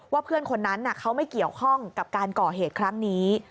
เพื่อนคนนั้นเขาไม่เกี่ยวข้องกับการก่อเหตุครั้งนี้